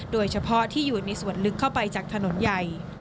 โดยเฉพาะที่อยู่ในส่วนลึกเข้าไปจากถนนใหญ่